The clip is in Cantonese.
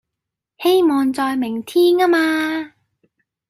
希望在明天啊嘛